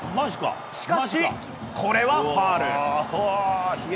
しかし、これはファウル。